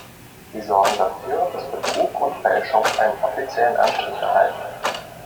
Sie sorgen dafür, dass Betrug und Fälschung einen offiziellen Anstrich erhalten.